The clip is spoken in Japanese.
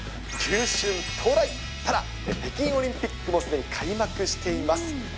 球春到来、ただ北京オリンピックもすでに開幕しています。